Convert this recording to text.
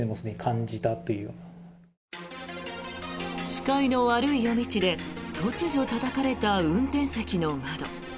視界の悪い夜道で突如たたかれた運転席の窓。